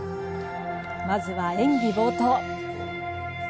まずは、演技冒頭。